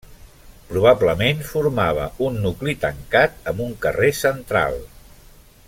Probablement formava un nucli tancat amb un carrer central.